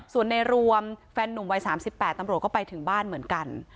ส่วนในรวมแฟนนุ่มวัย๓๘ตำรวจก็ไปถึงบ้านเหมือนกัน